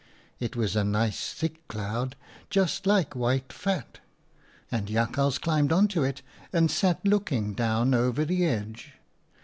It was a nice thick cloud, just like white fat, and Jakhals climbed on to it and sat looking down over the edge.